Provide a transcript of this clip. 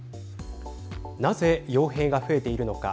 なぜよう兵が増えているのか。